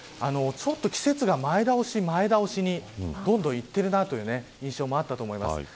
季節が前倒しにどんどんいっているなという印象もあったと思います。